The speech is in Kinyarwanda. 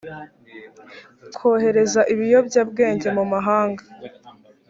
kohereza ibiyobyabwenge mu mahanga